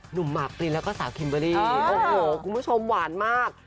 หมากปรินแล้วก็สาวคิมเบอร์รี่โอ้โหคุณผู้ชมหวานมาก